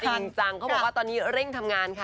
จริงจังเขาบอกว่าตอนนี้เร่งทำงานค่ะ